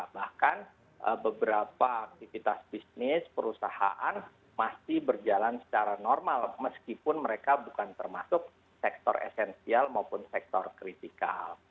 bahkan beberapa aktivitas bisnis perusahaan masih berjalan secara normal meskipun mereka bukan termasuk sektor esensial maupun sektor kritikal